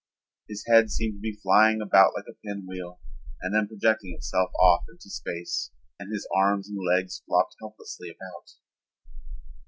His head seemed to be flying about like a pinwheel and then projecting itself off into space and his arms and legs flopped helplessly about.